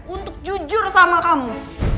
untuk jujur sama kamu